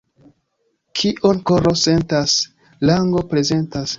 Kion koro sentas, lango prezentas.